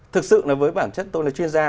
thực sự là với bản chất tôi là chuyên gia